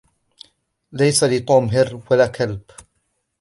ليس لتوم هرّ ولا كلب.